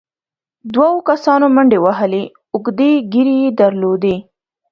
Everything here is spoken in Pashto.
دوو کسانو منډې وهلې، اوږدې ږېرې يې درلودې،